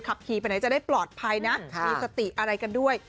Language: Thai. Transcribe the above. ขับขี่ไปไหนจะได้ปลอดภัยนะมีสติอะไรกันด้วย